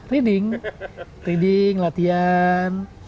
reading reading latihan